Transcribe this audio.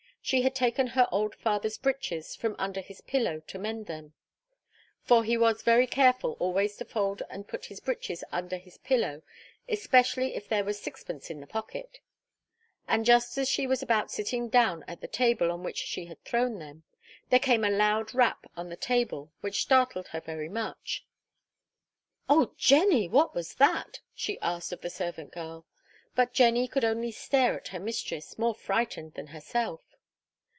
She had taken her old father's breeches from under his pillow to mend them (for he was very careful always to fold and put his breeches under his pillow, especially if there was a sixpence in the pocket), and just as she was about sitting down at the table on which she had thrown them, there came a loud rap on the table, which startled her very much. 'Oh, Jenny, what was that?' she asked of the servant girl; but Jenny could only stare at her mistress, more frightened than herself.